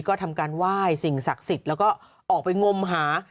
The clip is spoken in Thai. ก็ทำการไหว้สิ่งศักดิ์สิทธิ์แล้วก็ออกไปงมหา